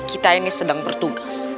kita ini sedang bertugas